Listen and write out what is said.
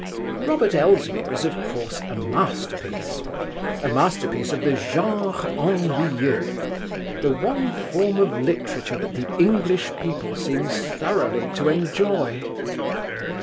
Robert Elsmere is of course a masterpiece—a masterpiece of the "genre ennuyeux," the one form of literature that the English people seems thoroughly to enjoy.